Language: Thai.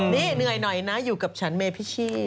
นี่เหนื่อยหน่อยนะอยู่กับฉันเมพิชชี่